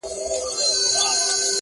نه یې هیله د آزادو الوتلو -